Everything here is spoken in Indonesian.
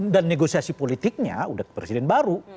dan negosiasi politiknya sudah ke presiden baru